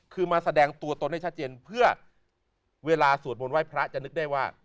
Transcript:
คือมาแสดงตัวตนให้ชัดเจนเพื่อเวลาสวดมนต์ไห้พระจะนึกได้ว่า